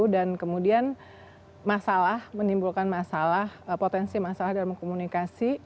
dan kemudian masalah menimbulkan masalah potensi masalah dalam komunikasi